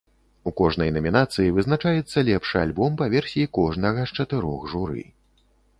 У кожнай намінацыі вызначаецца лепшы альбом па версіі кожнага з чатырох журы.